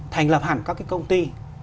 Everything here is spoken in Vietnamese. thành lập hẳn các cái công ty